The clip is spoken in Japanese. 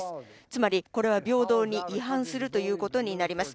つまり、これは平等に違反することになります。